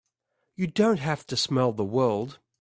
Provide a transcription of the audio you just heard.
You don't have to smell the world!